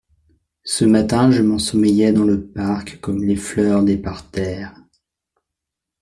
Ce matin je m'ensommeillais dans le parc comme les fleurs des parterres.